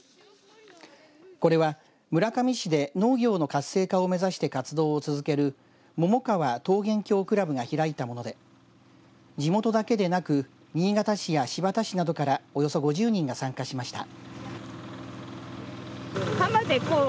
これは村上市で農業の活性化を目指して活動を続けるももかわ桃源郷倶楽部が開いたもので地元だけでなく新潟市や新発田市などからおよそ５０人が参加しました。